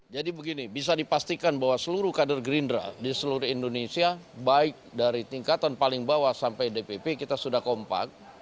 jadi begini bisa dipastikan bahwa seluruh kader gerindra di seluruh indonesia baik dari tingkatan paling bawah sampai dpp kita sudah kompak